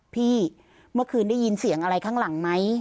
พี่เมื่อคืนได้ยินเสียงอะไรข้างหลังไหม